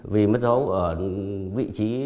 vì mất dấu ở vị trí